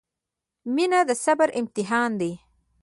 • مینه د صبر امتحان دی.